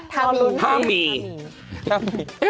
ธามีธามีธามี